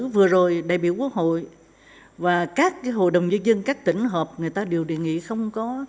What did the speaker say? vừa rồi đại biểu quốc hội và các hội đồng nhân dân các tỉnh hợp người ta đều đề nghị không có